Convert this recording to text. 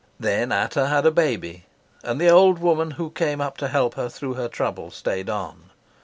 Then Ata had a baby, and the old woman who came up to help her through her trouble stayed on.